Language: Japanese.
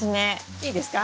いいですか？